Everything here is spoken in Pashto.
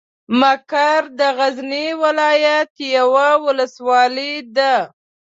مقر د غزني ولايت یوه ولسوالۍ ده.